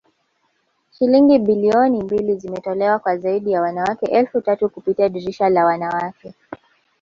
Shilingi bilioni mbili zimetolewa kwa zaidi ya wanawake elfu tatu kupitia dirisha la wanawake